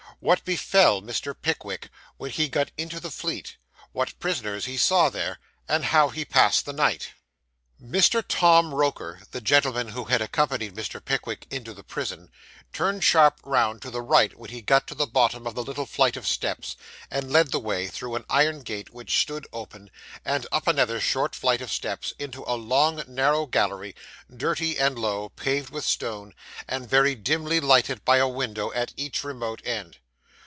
WHAT BEFELL MR. PICKWICK WHEN HE GOT INTO THE FLEET; WHAT PRISONERS HE SAW THERE, AND HOW HE PASSED THE NIGHT Mr. Tom Roker, the gentleman who had accompanied Mr. Pickwick into the prison, turned sharp round to the right when he got to the bottom of the little flight of steps, and led the way, through an iron gate which stood open, and up another short flight of steps, into a long narrow gallery, dirty and low, paved with stone, and very dimly lighted by a window at each remote end.